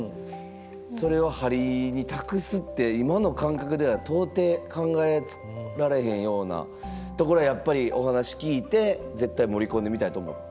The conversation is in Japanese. それを針に託すって今の感覚では到底考えられへんようなところをお話聞いて絶対盛り込んでみたいと思ったんですか。